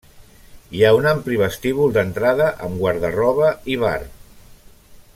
Hi ha un ampli vestíbul d'entrada amb guarda-roba i bar.